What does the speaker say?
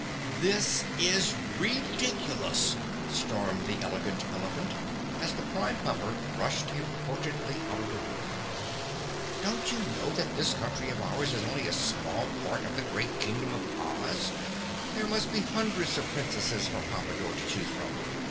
"This is ridiculous!" stormed the Elegant Elephant, as the Prime Pumper rushed importantly out of the room. "Don't you know that this country of ours is only a small part of the great Kingdom of Oz? There must be hundreds of Princesses for Pompadore to choose from.